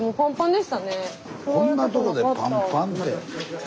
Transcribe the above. こんなとこでパンパンって。